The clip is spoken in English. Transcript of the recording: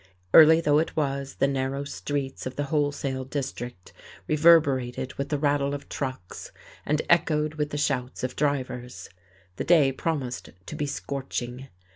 Early though it was, the narrow streets of the wholesale district reverberated with the rattle of trucks and echoed with the shouts of drivers. The day promised to be scorching.